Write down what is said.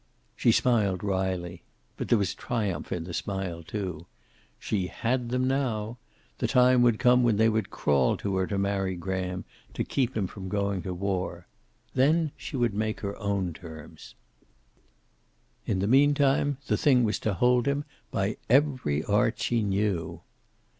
She smiled wryly. But there was triumph in the smile, too. She had them now. The time would come when they would crawl to her to marry Graham, to keep him from going to war. Then she would make her own terms. In the meantime the thing was to hold him by every art she knew.